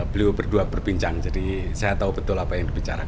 beliau berdua berbincang jadi saya tahu betul apa yang dibicarakan